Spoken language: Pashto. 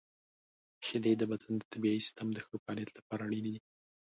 • شیدې د بدن د دفاعي سیستم د ښه فعالیت لپاره اړینې دي.